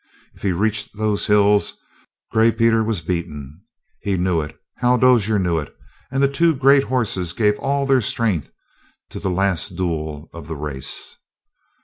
If he reached those hills Gray Peter was beaten. He knew it; Hal Dozier knew it; and the two great horses gave all their strength to the last duel of the race.